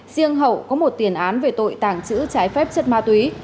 riêng hậu có một tiền án về tội tàng trữ trái phép chất ma túy